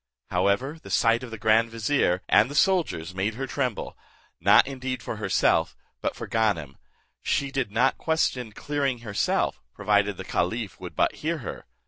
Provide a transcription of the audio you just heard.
However, the sight of the grand vizier, and the soldiers made her tremble, not indeed for herself, but for Ganem: she did not question clearing herself, provided the caliph would but hear her.